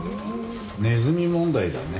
ネズミ問題だね。